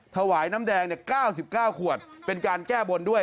ถวายน้ำแดง๙๙ขวดเป็นการแก้บนด้วย